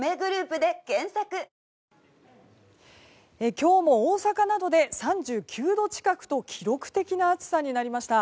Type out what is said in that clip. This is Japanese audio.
今日も大阪などで３９度近くと記録的な暑さになりました。